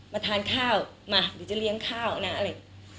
มาทานข้าวมาหรือจะเลี้ยงข้าวนะอะไร